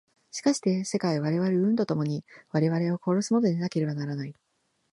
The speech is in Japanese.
しかして世界は我々を生むと共に我々を殺すものでなければならない。